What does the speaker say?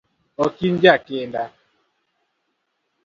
Ok in jakinda